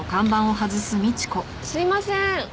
すいません！